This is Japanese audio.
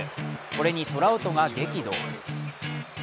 これにトラウトが激怒。